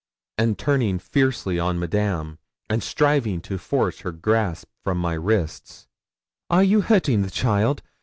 And turning fiercely on Madame, and striving to force her grasp from my wrists, 'Are you hurting the child?